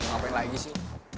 apa yang lagi sih